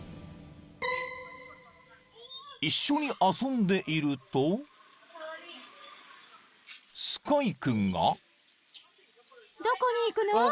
［一緒に遊んでいるとスカイ君が］